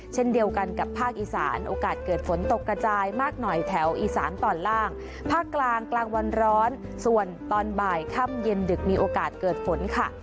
เช่นเดียวกันกับภาคอีสานโอกาสเกิดฝนตกกระจายมากหน่อยแถวอีสานตอนล่างภาคกลางกลางวันร้อนส่วนตอนบ่ายค่ำเย็นดึกมีโอกาสเกิดฝนค่ะ